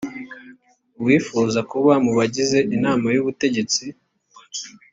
uwifuza kuba mu bagize inama y ubutegetsi